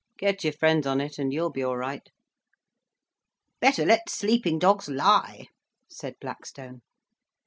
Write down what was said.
"Get your friends on it, and you'll be all right." "Better let sleeping dogs lie," said Blackstone.